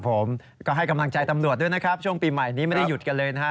ผมก็ให้กำลังใจตำรวจด้วยนะครับช่วงปีใหม่นี้ไม่ได้หยุดกันเลยนะฮะ